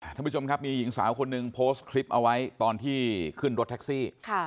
ท่านผู้ชมครับมีหญิงสาวคนหนึ่งโพสต์คลิปเอาไว้ตอนที่ขึ้นรถแท็กซี่